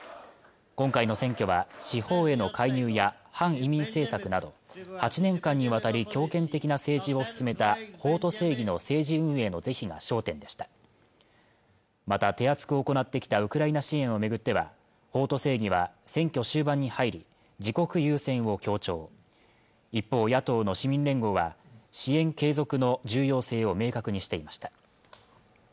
今回の選挙は司法への介入や反移民政策など８年間にわたり強権的な政治を進めた法と正義の政治運営の是非が焦点でしたまた手厚く行ってきたウクライナ支援を巡っては法と正義は選挙終盤に入り自国優先を強調一方野党の市民連合が支援継続の重要性を明確にしていました